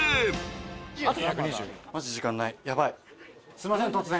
すいません突然。